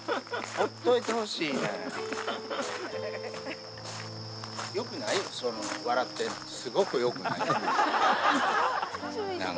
ほっといてほしいねん。